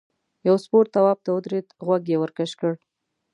یو سپور تواب ته ودرېد غوږ یې ورکش کړ.